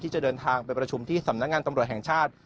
จะเดินทางไปประชุมที่สำนักงานตำรวจแห่งชาติ